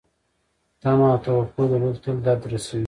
تمه او توقع درلودل تل درد رسوي .